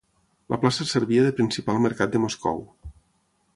La plaça servia de principal mercat de Moscou.